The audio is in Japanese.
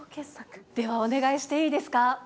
ではお願いしていいですか？